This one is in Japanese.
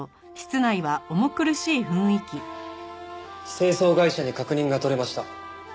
清掃会社に確認が取れました。